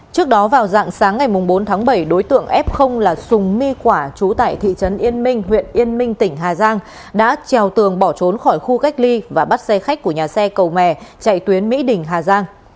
trước đó vào dạng sáng ngày bốn tháng bảy đối tượng f là sùng my quả chú tại thị trấn yên minh huyện yên minh tỉnh hà giang đã trèo tường bỏ trốn khỏi khu cách ly và bắt xe khách của nhà xe cầu mè chạy tuyến mỹ đình hà giang